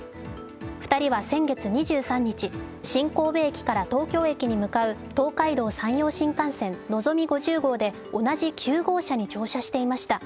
２人は先月２３日、新神戸駅から東京駅に向かう東海道山陽新幹線「のぞみ５０号」で同じ９号車に乗車していました。